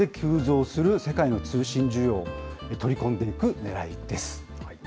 これで急増する世界の通信需要を取り込んでいくねらいです。